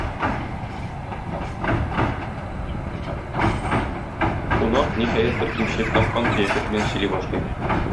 Кунак, ниһәят бер кимчелек тапкан кыяфәт белән сөйли башлый